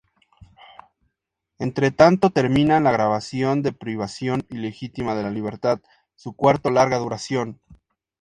Entretanto, terminan la grabación de "Privación Ilegítima de la Libertad", su cuarto larga duración.